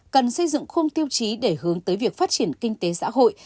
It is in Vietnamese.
cần xây dựng khung tiêu chí để hướng tới việc phát triển kinh tế xã hội